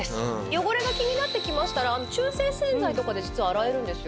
汚れが気になってきましたら中性洗剤とかで実は洗えるんですよ。